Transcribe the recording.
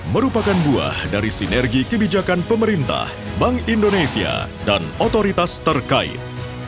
merupakan buah dari sinergi kebijakan pemerintah bank indonesia dan otoritas terkait